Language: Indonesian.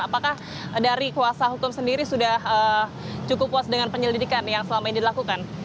apakah dari kuasa hukum sendiri sudah cukup puas dengan penyelidikan yang selama ini dilakukan